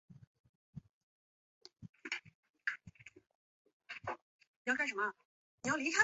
底面主要为白色。